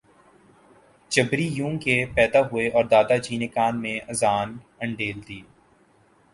جبری یوں کہ ، پیدا ہوئے اور دادا جی نے کان میں اذان انڈیل دی